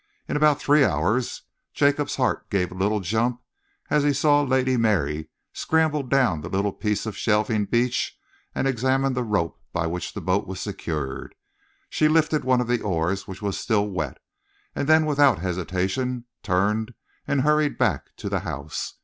In about three hours, Jacob's heart gave a little jump as he saw Lady Mary scramble down the little piece of shelving beach and examine the rope by which the boat was secured. She lifted one of the oars, which was still wet, and then without hesitation turned and hurried back to the house.